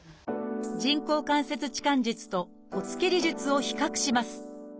人工関節置換術と骨切り術を比較します。